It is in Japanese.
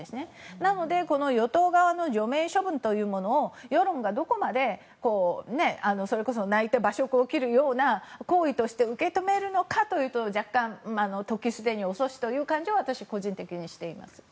なので、この与党側の除名処分というのを世論がどこまでそれこそ泣いて馬謖を受けるような行為として受け止めるのかというと若干、時すでに遅しという感じは私はしています。